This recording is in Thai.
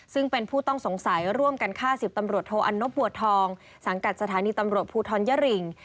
ซึ่งเป็นผู้ต้องสงสัยร่วมกันฆ่า๑๐ตำรวจโทอันนบบัวทองสังกัดสถานีตำรวจภูทรยริง